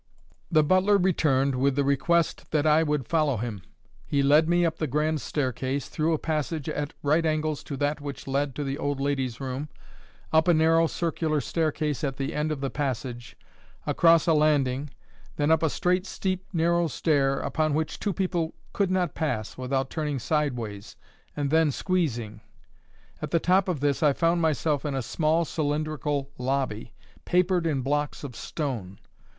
The butler returned, with the request that I would follow him. He led me up the grand staircase, through a passage at right angles to that which led to the old lady's room, up a narrow circular staircase at the end of the passage, across a landing, then up a straight steep narrow stair, upon which two people could not pass without turning sideways and then squeezing. At the top of this I found myself in a small cylindrical lobby, papered in blocks of stone.